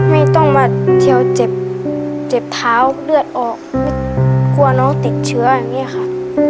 ไม่ต้องมาเฉียวเจ็บเจ็บเท้าเลือดออกไม่กลัวน้องติดเชื้ออย่างนี้ค่ะ